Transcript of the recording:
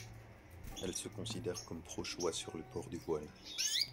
Elle se considère comme pro-choix sur le port du voile.